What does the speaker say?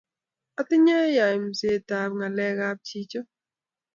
Atinye kaimset ap ng'alek ap chichotok.